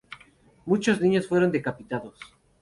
Muchos niños fueron decapitados.